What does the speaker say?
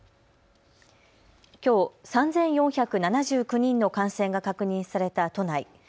きょう、３４７９人の感染が確認された都内。